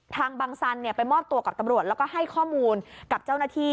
บังสันไปมอบตัวกับตำรวจแล้วก็ให้ข้อมูลกับเจ้าหน้าที่